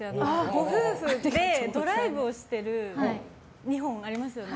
ご夫婦でドライブをしてるのありますよね。